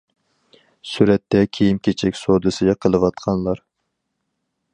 سۈرەتتە: كىيىم- كېچەك سودىسى قىلىۋاتقانلار.